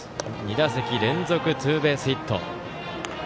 ２打席連続ツーベースヒット。